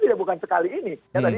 tidak bukan sekali ini